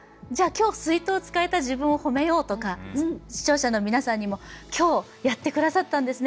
今日水筒を使えた自分を褒めようとか視聴者の皆さんにも今日やってくださったんですね